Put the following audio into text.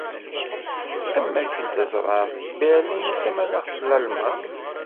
Am akken teẓram, d Berlin i d tamanaɣt n Lalman.